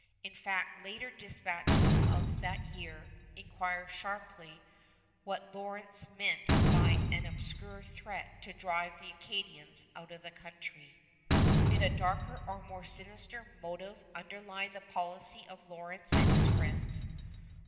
In fact, later dispatches of that year inquire sharply what Lawrence meant by an obscure threat to drive the Acadians out of the country. [Illustration: GENERAL JOHN WINSLOW] Did a darker and more sinister motive underlie the policy of Lawrence and his friends?